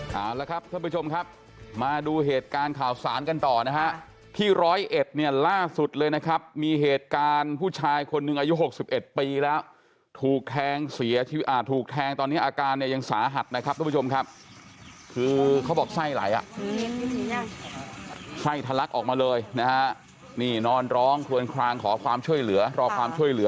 เอาละครับท่านผู้ชมครับมาดูเหตุการณ์ข่าวสารกันต่อนะฮะที่ร้อยเอ็ดเนี่ยล่าสุดเลยนะครับมีเหตุการณ์ผู้ชายคนหนึ่งอายุ๖๑ปีแล้วถูกแทงเสียชีวิตถูกแทงตอนนี้อาการเนี่ยยังสาหัสนะครับทุกผู้ชมครับคือเขาบอกไส้ไหลอ่ะไส้ทะลักออกมาเลยนะฮะนี่นอนร้องคลวนคลางขอความช่วยเหลือรอความช่วยเหลือ